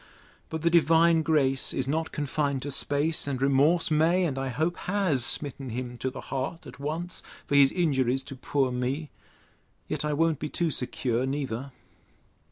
But the divine grace is not confined to space; and remorse may, and I hope has, smitten him to the heart at once, for his injuries to poor me! Yet I won't be too secure neither.